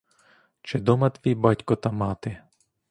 Чи дома твій батько та мати?